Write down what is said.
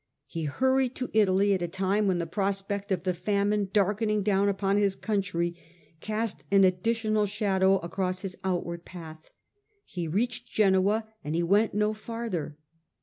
He hurried to Italy at a time when the prospect of the famine darkening down upon his country cast an additional shadow across his outward path. He reached Genoa, and he went no farther.